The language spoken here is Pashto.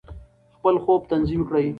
خپل خوب تنظیم کړئ.